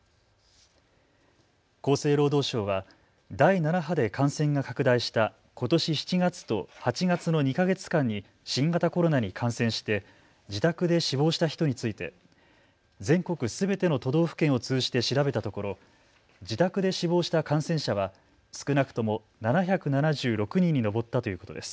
厚生労働省は第７波で感染が拡大した、ことし７月と８月の２か月間に新型コロナに感染して自宅で死亡した人について全国すべての都道府県を通じて調べたところ自宅で死亡した感染者は少なくとも７７６人に上ったということです。